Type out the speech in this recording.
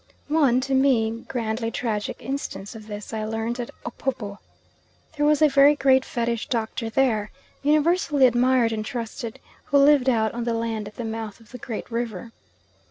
One, to me, grandly tragic instance of this I learnt at Opobo. There was a very great Fetish doctor there, universally admired and trusted, who lived out on the land at the mouth of the Great River.